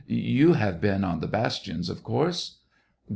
. you have been on the bastions, of course